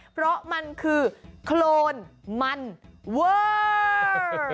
เพราะมันคือโครนมันเวอร์